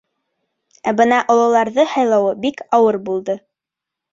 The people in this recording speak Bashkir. Ә бына ололарҙы һайлауы бик ауыр булды.